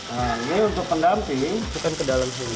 nah ini untuk pendamping bukan ke dalam sini